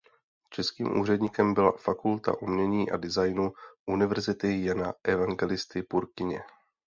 Českým účastníkem byla Fakulta umění a designu Univerzity Jana Evangelisty Purkyně.